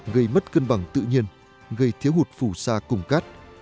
gây mất cân bằng tự nhiên gây thiếu hụt phủ sa cùng cát